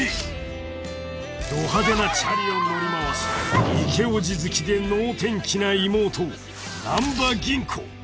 ［ど派手なチャリを乗り回すイケオジ好きで能天気な妹難破吟子］